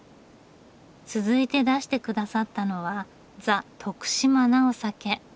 続いて出して下さったのはザ・徳島なお酒。